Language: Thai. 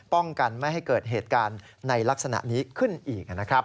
ป้องกันไม่ให้เกิดเหตุการณ์ในลักษณะนี้ขึ้นอีกนะครับ